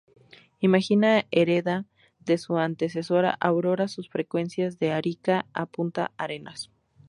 Imagina hereda de su antecesora Aurora, sus frecuencias de Arica a Punta Arenas.